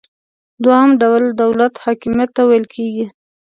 دوهم ډول یې دولتي حاکمیت ته ویل کیږي.